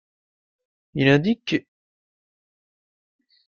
Il indique qu'.